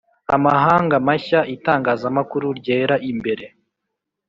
amahanga mashya itangazamakuru ryera imbere: